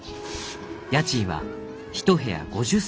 家賃は一部屋５０銭です。